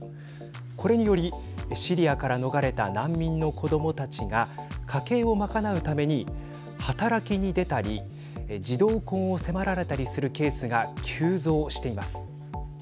これによりシリアから逃れた難民の子どもたちが家計を賄うために働きに出たり児童婚を迫られたりするケースが急増しています。